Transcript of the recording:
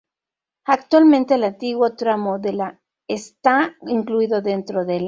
Actualmente el antiguo tramo de la está incluido dentro de la